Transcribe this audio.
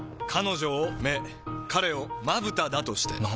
彼女を目彼をまぶただとして。